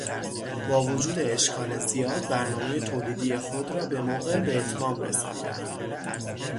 باوجود اشکال زیاد، برنامهٔ تولیدی خود را بموقع باتمام رساندند.